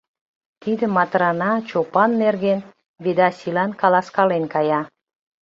Тиде Матрана Чопан нерген Ведасилан каласкален кая.